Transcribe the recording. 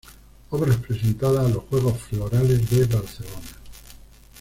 Obras presentadas a los Juegos Florales de Barcelona